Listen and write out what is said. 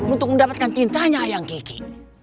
untuk mendapatkan cintanya ayang kiki